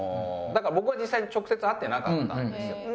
だから僕は実際に直接会ってなかったんですよ。